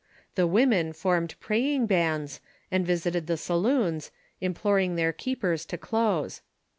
The women formed pi'aying bands, and visited the saloons, implor ing their keepers to close.